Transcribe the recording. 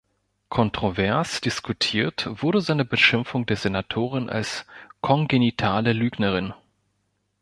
Kontrovers diskutiert wurde seine Beschimpfung der Senatorin als „kongenitale Lügnerin“.